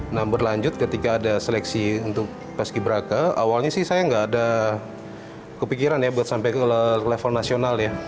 nah berlanjut ketika ada seleksi untuk paski braka awalnya sih saya nggak ada kepikiran ya buat sampai ke level nasional ya